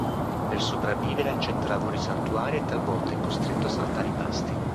Per sopravvivere accetta lavori saltuari e talvolta è costretto a saltare i pasti.